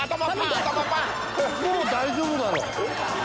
もう大丈夫だろ。